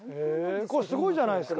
これすごいじゃないですか。